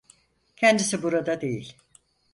Kendisi burada değil.